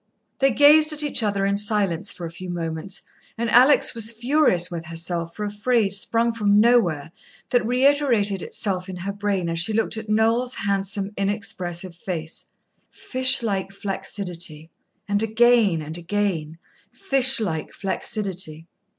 They gazed at each other in silence for a few moments, and Alex was furious with herself for a phrase sprung from nowhere that reiterated itself in her brain as she looked at Noel's handsome, inexpressive face "Fish like flaccidity...." And again and again "_Fish like flaccidity.